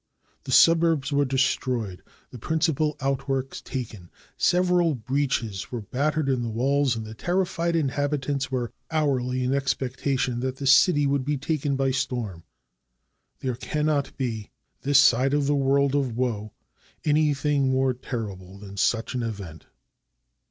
The suburbs were destroyed, the principal outworks taken, several breaches were bat tered in the walls, and the terrified inhabitants were hourly in expectation that the city would be taken by storm. There cannot be, this side of the world of woe, anything more terrible than such an event.